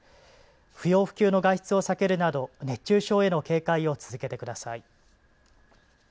不要不急の外出を避けるなど熱中症への警戒を続けてください。